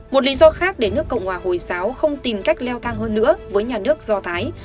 một lý do khác để nước cộng hòa hồi giáo không tìm cách leo thang hơn nữa với nhà nước do thái